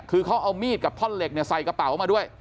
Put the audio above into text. คือเขาเอามีดกับท่อนเหล็กใส่กระเป๋ามาด้วย